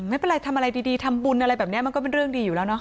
ไม่เป็นไรทำอะไรดีทำบุญอะไรแบบนี้มันก็เป็นเรื่องดีอยู่แล้วเนาะ